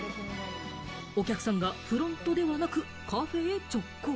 お客さんがフロントではなく、カフェへ直行。